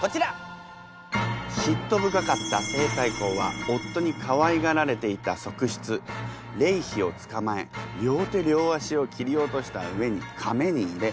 「しっと深かった西太后は夫にかわいがられていた側室麗妃をつかまえ両手両足を切り落とした上に」